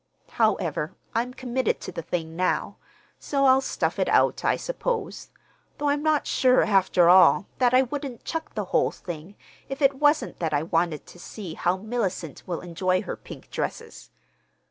However, I'm committed to the thing now, so I'll stuff it out, I suppose,—though I'm not sure, after all, that I wouldn't chuck the whole thing if it wasn't that I wanted to see how Mellicent will enjoy her pink dresses.